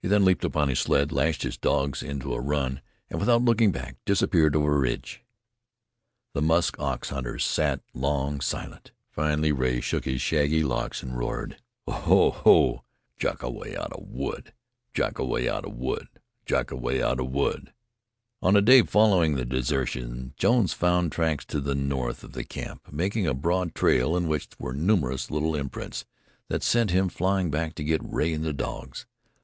He then leaped upon his sled, lashed his dogs into a run, and without looking back disappeared over a ridge. The musk ox hunters sat long silent. Finally Rea shook his shaggy locks and roared. "Ho! Ho! Jackoway out of wood! Jackoway out of wood! Jackoway out of wood!" On the day following the desertion, Jones found tracks to the north of the camp, making a broad trail in which were numerous little imprints that sent him flying back to get Rea and the dogs.